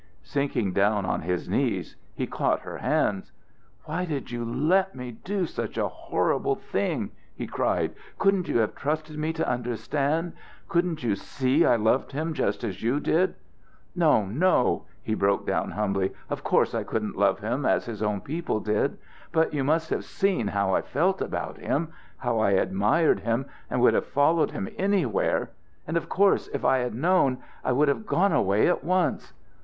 Sinking down on his knees, he caught her hands. "Why did you let me do such a horrible thing?" he cried. "Couldn't you have trusted me to understand? Couldn't you see I loved him just as you did No, no!" he broke down humbly. "Of course I couldn't love him as his own people did. But you must have seen how I felt about him how I admired him, and would have followed him anywhere and of course if I had known, I should have gone away at once."